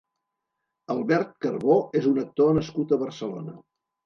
Albert Carbó és un actor nascut a Barcelona.